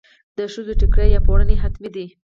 د ښځو ټیکری یا پړونی حتمي وي.